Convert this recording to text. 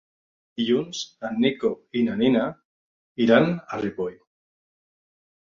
Dilluns en Nico i na Nina iran a Ripoll.